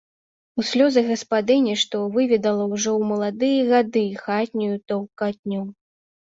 У слёзы гаспадыні, што выведала ўжо ў маладыя гады хатнюю таўкатню.